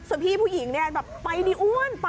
ส่วนพี่ผู้หญิงใบ้อุ้น